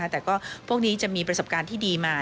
แต่ก็พวกนี้จะมีประสบการณ์ที่ดีมา